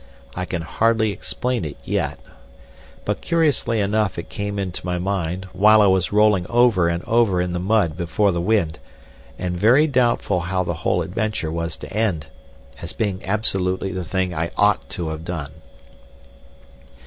I can hardly explain it yet. But curiously enough it came into my mind, while I was rolling over and over in the mud before the wind, and very doubtful how the whole adventure was to end, as being absolutely the thing I ought to have done."